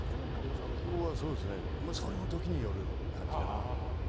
それも時による感じかな。